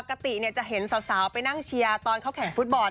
ปกติจะเห็นสาวไปนั่งเชียร์ตอนเขาแข่งฟุตบอล